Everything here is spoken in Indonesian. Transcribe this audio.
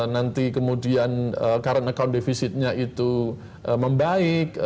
nanti kemudian current account defisitnya itu membaik